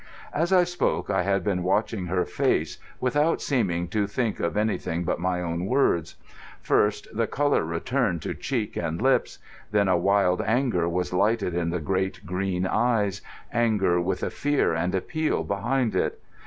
As I spoke I had been watching her face, without seeming to think of anything but my own words. First the colour returned to cheek and lips; then a wild anger was lighted in the great green eyes—anger with a fear and appeal behind it.